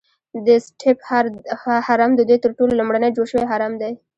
د سټیپ هرم ددوی تر ټولو لومړنی جوړ شوی هرم دی.